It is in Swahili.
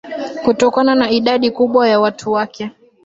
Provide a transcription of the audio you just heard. Kutokana na idadi kubwa ya watu wake